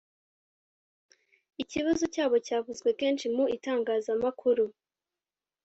Ikibazo cyabo cyavuzwe kenshi mu itangazamakuru